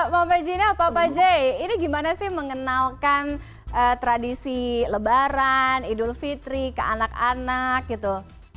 mama gina apa pak jay ini gimana sih mengenalkan tradisi lebaran idul fitri ke anak anak gitu